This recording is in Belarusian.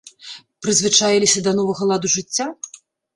Прызвычаіліся да новага ладу жыцця?